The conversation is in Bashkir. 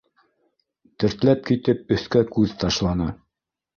Тертләп китеп, өҫкә күҙ ташланы.